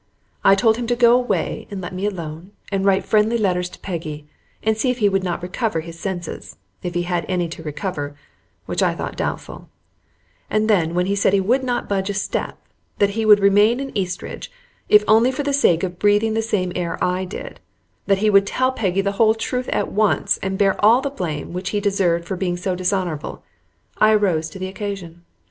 I told him to go away and let me alone and write friendly letters to Peggy, and see if he would not recover his senses, if he had any to recover, which I thought doubtful; and then when he said he would not budge a step, that he would remain in Eastridge, if only for the sake of breathing the same air I did, that he would tell Peggy the whole truth at once, and bear all the blame which he deserved for being so dishonorable, I arose to the occasion.